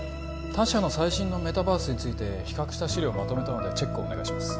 他社の最新のメタバースについて比較した資料をまとめたのでチェックをお願いします